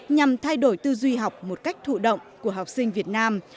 nhằm thay đổi tư duy học một cách thụ động của học sinh việt nam